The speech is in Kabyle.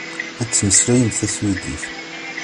Ad temmeslayemt taswidit.